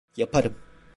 Yaparım.